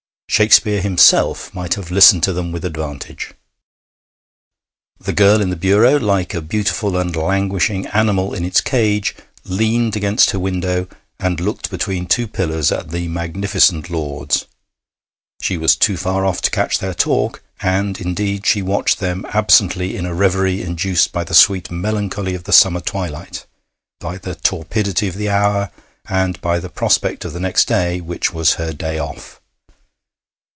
Shakespeare himself might have listened to them with advantage. The girl in the bureau, like a beautiful and languishing animal in its cage, leaned against her window, and looked between two pillars at the magnificent lords. She was too far off to catch their talk, and, indeed, she watched them absently in a reverie induced by the sweet melancholy of the summer twilight, by the torpidity of the hour, and by the prospect of the next day, which was her day off.